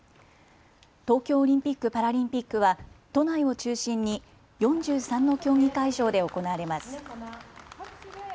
東京オリンピック・パラリンピックは都内を中心に４３の競技会場で行われます。